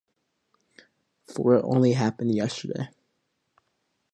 For it only happened yesterday.